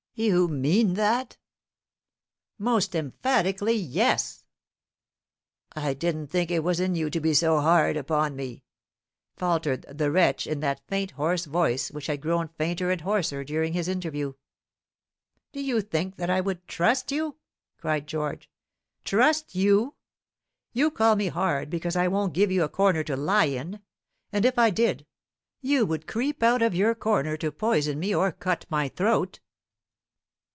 "You mean that?" "Most emphatically yes." "I didn't think it was in you to be so hard upon me," faltered the wretch in that faint hoarse voice which had grown fainter and hoarser during this interview. "Did you think that I would trust you?" cried George. "Trust you! You call me hard because I won't give you a corner to lie in. And if I did, you would creep out of your corner to poison me, or cut my throat.